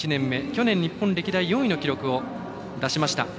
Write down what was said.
去年、日本歴代４位の記録を出しました。